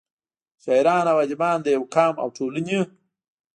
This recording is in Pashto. شاعران او اديبان دَيو قام او ټولنې